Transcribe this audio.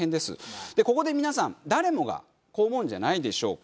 ここで皆さん誰もがこう思うんじゃないでしょうか？